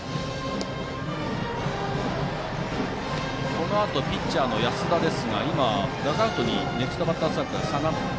このあとピッチャーの安田ですがネクストバッターズサークルに下がって。